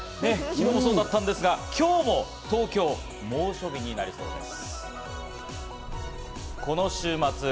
昨日もそうだったんですが、今日も東京、猛暑日になります。